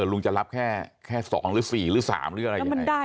ลุงจะรับแค่๒หรือ๔หรือ๓หรืออะไรยังไง